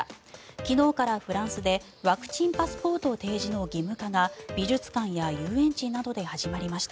昨日からフランスでワクチンパスポート提示の義務化が美術館や遊園地などで始まりました。